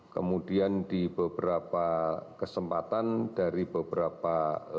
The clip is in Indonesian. kemudian di beberapa kesempatan dari beberapa